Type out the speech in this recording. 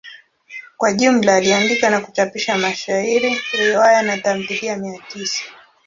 Kwa jumla aliandika na kuchapisha mashairi, riwaya na tamthilia mia tisa.